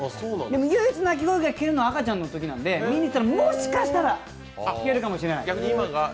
唯一鳴き声が聞けるときは赤ちゃんのときなので見に行ったら、もしかしたら聞けるかもしれない。